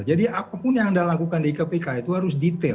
jadi apapun yang anda lakukan di kpk itu harus detail